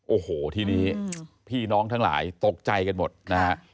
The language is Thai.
โอ้โหทีนี้พี่น้องทั้งหลายตกใจกันหมดนะฮะ